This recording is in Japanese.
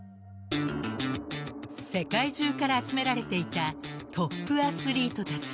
［世界中から集められていたトップアスリートたち］